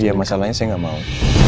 iya masalahnya saya gak mau